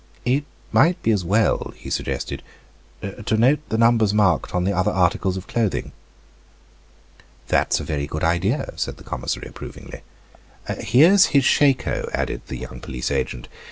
"It might be as well," he suggested, "to note the numbers marked on the other articles of clothing." "That is a very good idea," said the commissary, approvingly. "Here is his shako," added the young police agent.